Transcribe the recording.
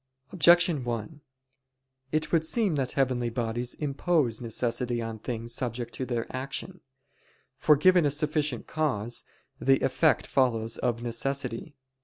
Objection 1: It would seem that heavenly bodies impose necessity on things subject to their action. For given a sufficient cause, the effect follows of necessity.